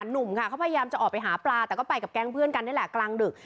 หนุ่มค่ะเขาพยายามจะออกไปหาปลาแต่ก็ไปกับแก๊งเพื่อนกันนี่แหละกลางดึก